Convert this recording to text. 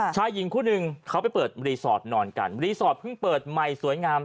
ชายหญิงคู่หนึ่งเขาไปเปิดรีสอร์ทนอนกันรีสอร์ทเพิ่งเปิดใหม่สวยงาม